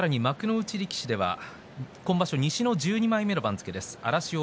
さらに幕内力士では今場所西の１２枚目の番付です。